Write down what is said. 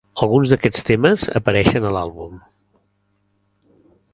Alguns d'aquests temes apareixen a l'àlbum.